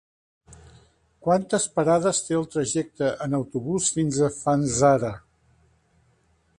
Quantes parades té el trajecte en autobús fins a Fanzara?